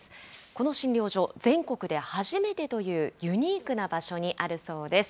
この診療所、全国で初めてというユニークな場所にあるそうです。